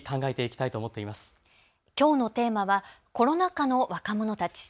きょうのテーマはコロナ禍の若者たち。